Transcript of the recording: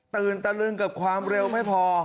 ตื่นตะลึงกับความเร็วไม่พอ